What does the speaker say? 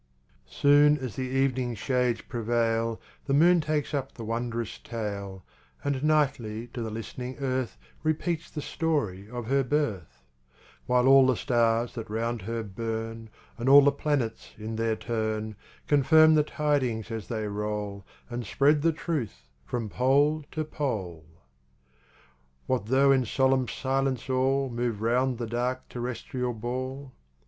Soon as the evening shades prevail The moon takes up the wondrous tale, And nightly to the listening earth Repeats the story of her birth; While all the stars that round her burn And all the planets in their turn, Confirm the tidings as they roll, And spread the truth from pole to pole. What though in solemn silence all Move round the dark terrestrial ball?